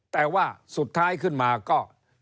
แต่ว่าสุดท้ายขึ้นมาก็